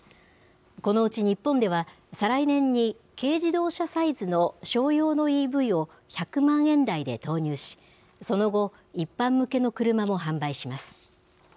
このうち日本では、再来年に軽自動車サイズの商用のＥＶを１００万円台で投入し、その後、一般向けの車も販売します。